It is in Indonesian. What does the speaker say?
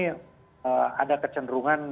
ini ada kecenderungan